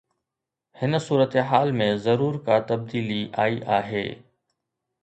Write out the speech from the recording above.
هن صورتحال ۾ ضرور ڪا تبديلي آئي آهي.